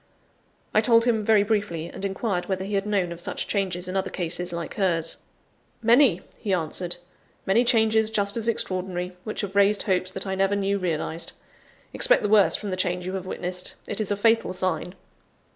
I told him very briefly, and inquired whether he had known of such changes in other cases, like hers. "Many," he answered, "many changes just as extraordinary, which have raised hopes that I never knew realised. Expect the worst from the change you have witnessed; it is a fatal sign."